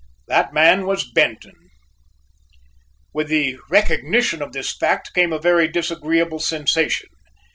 That man was Benton. With the recognition of this fact came a very disagreeable sensation.